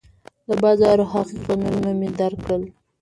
د بازار حقیقتونه مې درک کړل.